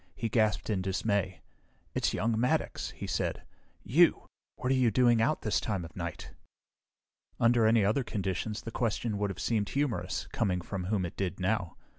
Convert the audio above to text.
He gasped in dismay. "It's young Maddox," he said. "You! What are you doing out this time of night?" Under any other conditions, the question would have seemed humorous, coming from whom it did now.